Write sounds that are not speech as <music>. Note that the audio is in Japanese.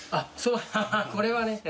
これはね <laughs>